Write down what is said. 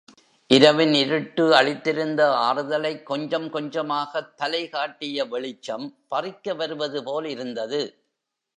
இரவின் இருட்டு அளித்திருந்த ஆறுதலைக் கொஞ்சம் கொஞ்சமாகத் தலைகாட்டிய வெளிச்சம் பறிக்க வருவது போல் இருந்தது.